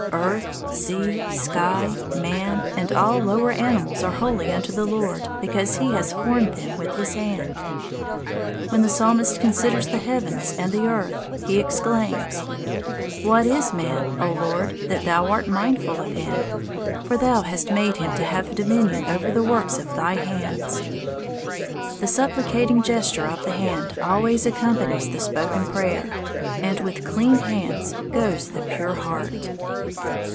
Earth, sea, sky, man, and all lower animals are holy unto the Lord because he has formed them with his hand. When the Psalmist considers the heavens and the earth, he exclaims: "What is man, O Lord, that thou art mindful of him? For thou hast made him to have dominion over the works of thy hands." The supplicating gesture of the hand always accompanies the spoken prayer, and with clean hands goes the pure heart.